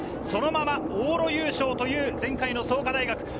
そのまま往路優勝という前回の創価大学。